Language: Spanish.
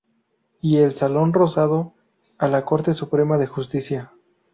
Y el Salón Rosado, a la Corte Suprema de Justicia.